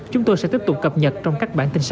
chúng tôi sẽ tiếp tục cập nhật trong các bản tin sau